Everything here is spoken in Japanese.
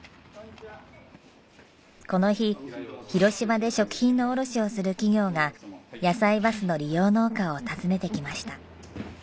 この日広島で食品の卸をする企業がやさいバスの利用農家を訪ねてきました。